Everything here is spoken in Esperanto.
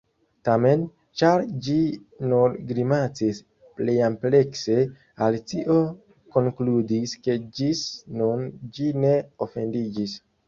Tamen, ĉar ĝi nur grimacis pliamplekse, Alicio konkludis ke ĝis nun ĝi ne ofendiĝis.